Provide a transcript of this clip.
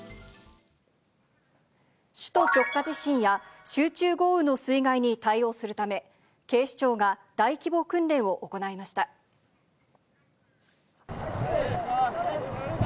首都直下地震や、集中豪雨の水害に対応するため、警視庁が大規模訓練を行いました。